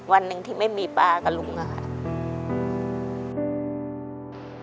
วันหนึ่งที่ไม่มีป้ากับลุงอะค่ะ